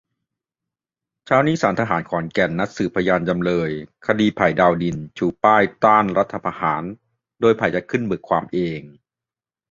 เช้านี้ศาลทหารขอนแก่นนัดสืบพยานจำเลย คดีไผ่ ดาวดิน ชูป้ายต้านรัฐประหาร โดยไผ่จะขึ้นเบิกความเอง